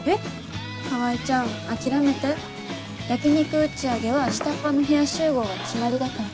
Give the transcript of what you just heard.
川合ちゃん諦めて焼き肉打ち上げは下っ端の部屋集合が決まりだから。